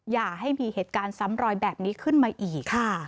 อย่าให้มีเหตุการณ์ซ้ำรอยแบบนี้ขึ้นมาอีก